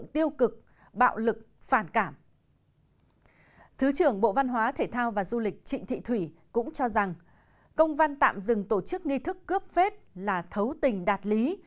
thứ trưởng bộ văn hóa thể thao và du lịch trịnh thị thủy cũng cho rằng công văn tạm dừng tổ chức nghi thức cướp vết là thấu tình đạt lý